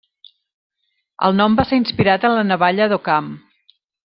El nom va ser inspirat en la navalla d'Occam.